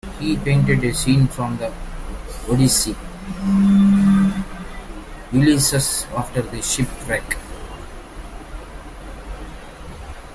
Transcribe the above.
He painted a scene from "The Odyssey", "Ulysses after the Shipwreck".